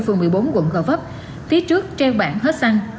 phường một mươi bốn quận gò vấp phía trước treo bảng hết săn